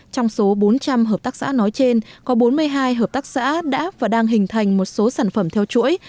trong số bốn trăm linh hợp tác xã nói trên có bốn mươi hai hợp tác xã đã và đang hình thành một số sản phẩm theo chuỗi